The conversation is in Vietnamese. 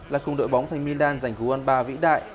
là cùng đội bóng thành milan giành cú một ba vĩ đại